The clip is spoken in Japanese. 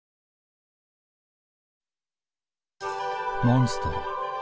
モンストロ。